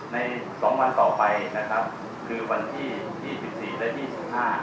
ใน๒วันต่อไปคือวันที่๒๔และ๒๕